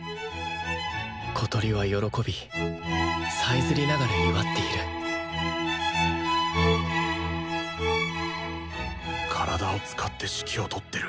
小鳥は喜びさえずりながら祝っている体を使って指揮をとってる。